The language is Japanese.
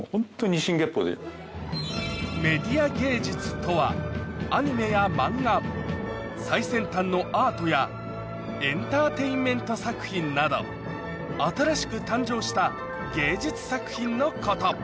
とはアニメやマンガ最先端のアートやエンターテインメント作品など新しく誕生した芸術作品のこと